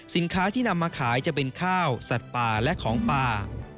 ที่นำมาขายจะเป็นข้าวสัตว์ป่าและของป่า